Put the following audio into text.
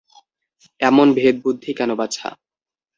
এমন ভেদবুদ্ধি কেন বাছা।